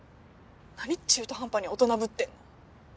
何中途半端に大人ぶってんの？